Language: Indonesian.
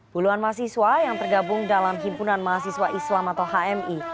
puluhan mahasiswa yang tergabung dalam himpunan mahasiswa islam atau hmi